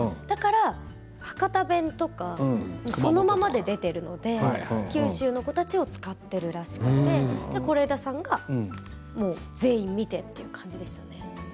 だから博多弁とかそのままで出ているので九州の子たちを使っているらしくて是枝さんが全員見てという感じですね。